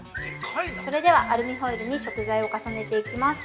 ◆それではアルミホイルに食材を重ねていきます。